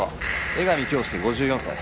江上恭介５４歳。